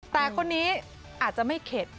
แต่คนนี้อาจจะไม่เข็ด